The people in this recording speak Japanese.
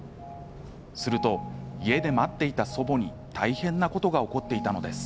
すると、家で待っていた祖母に大変なことが起こっていたのです。